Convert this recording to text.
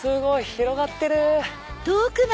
広がってる。